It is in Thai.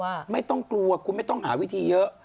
ว่าไม่ต้องกลัวคุณไม่ต้องหาวิธีเยอะ